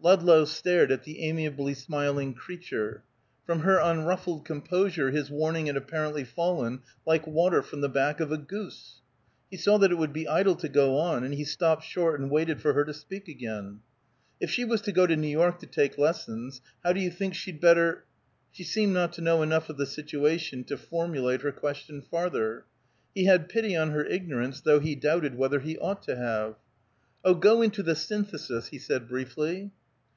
Ludlow stared at the amiably smiling creature. From her unruffled composure his warning had apparently fallen like water from the back of a goose. He saw that it would be idle to go on, and he stopped short and waited for her to speak again. "If she was to go to New York to take lessons, how do you think she'd better " She seemed not to know enough of the situation to formulate her question farther. He had pity on her ignorance, though he doubted whether he ought to have. "Oh, go into the Synthesis," he said briefly.